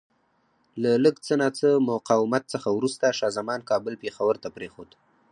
له لږ څه ناڅه مقاومت څخه وروسته شاه زمان کابل پېښور ته پرېښود.